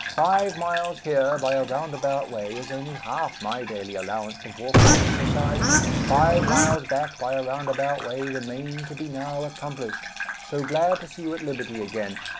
Five miles here by a roundabout way is only half my daily allowance of walking exercise; five miles back by a roundabout way remain to be now accomplished. So glad to see you at liberty again!